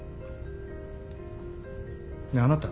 ねえあなた。